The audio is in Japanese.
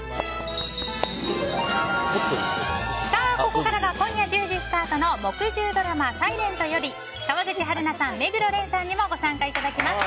ここからは今夜１０時スタートの木１０ドラマ「ｓｉｌｅｎｔ」より川口春奈さん、目黒蓮さんにもご参加いただきます。